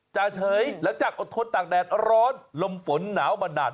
จ่าเฉยหลังจากอดทนตากแดดร้อนลมฝนหนาวมานาน